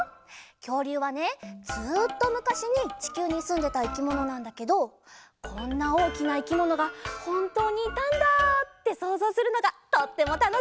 きょうりゅうはねずっとむかしにちきゅうにすんでたいきものなんだけどこんなおおきないきものがほんとうにいたんだってそうぞうするのがとってもたのしいんだ！